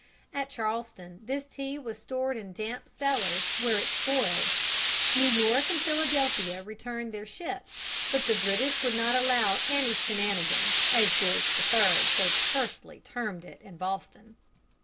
At Charleston this tea was stored in damp cellars, where it spoiled. New York and Philadelphia returned their ships, but the British would not allow any shenanegin', as George III. so tersely termed it, in Boston.